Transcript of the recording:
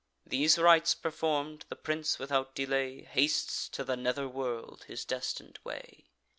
These rites perform'd, the prince, without delay, Hastes to the nether world his destin'd way.